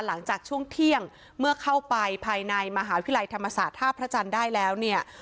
หลังจากช่วงเที่ยงเมื่อเข้าไปภายในมหาวิทยาลัยธรรมศาสตร์ท่าพระจันทร์ได้แล้วเนี่ย